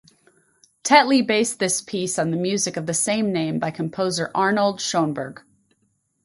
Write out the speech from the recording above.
Tetley based this piece on music of the same name by composer Arnold Schoenberg.